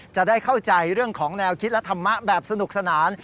จะได้เข้าใจเรื่องของแนวคิดและธรรมะแบบสนุกสนาน